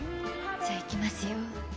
じゃあいきますよ。